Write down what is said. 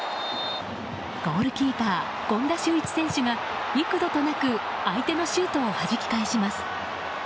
ゴールキーパー権田修一選手が幾度となく相手のシュートをはじき返します。